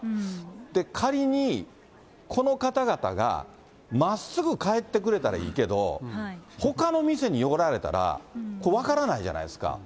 仮にこの方々が、まっすぐ帰ってくれたらいいけど、ほかの店に寄られたら、分からないじゃないですか。